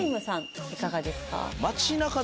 いかがですか？